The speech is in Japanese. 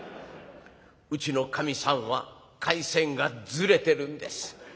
うちのかみさんは回線がずれてるんです。